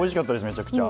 めちゃくちゃ。